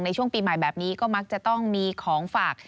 ในช่วงปีใหม่แบบนี้ก็มักจะต้องมีของฝาก